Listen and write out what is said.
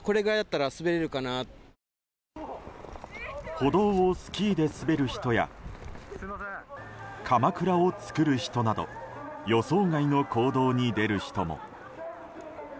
歩道をスキーで滑る人やかまくらを作る人など予想外の行動に出る人も。